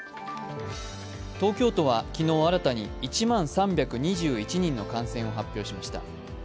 東京都は昨日新たに１万３２１人の感染を発表しました。